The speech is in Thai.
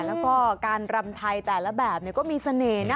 แล้วก็การรำไทยแต่ละแบบก็มีเสน่ห์นะ